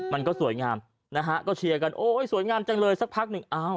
มันก็สวยงามก็เชียร์กันสวยงามจังเลยสักพักหนึ่ง